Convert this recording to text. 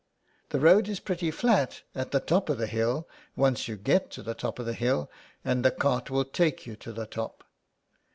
" The road is pretty flat at the top of the hill once you get to the top of the hill, and the cart will take you to the top."